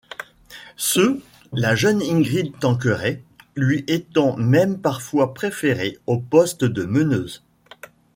Ce, la jeune Ingrid Tanqueray lui étant même parfois préférée au poste de meneuse.